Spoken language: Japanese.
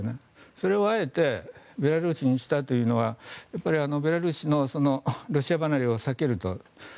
それをあえてベラルーシにしたというのはやっぱりベラルーシのロシア離れを避けると。